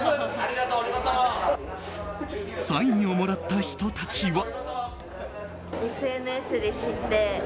サインをもらった人たちは。